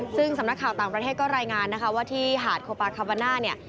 ซึ่งสำนักข่าวต่างประเทศก็รายงานนะคะว่าที่หาดโคปาคาบาน่าเนี่ย